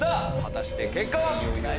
果たして結果は？